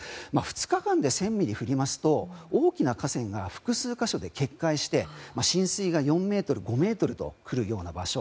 ２日間で１０００ミリ降りますと大きな河川が複数箇所で決壊して４ｍ、５ｍと来るような場所。